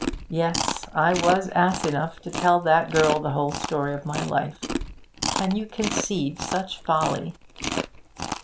Yes, I was ass enough to tell that girl the whole story of my life. Can you conceive such folly?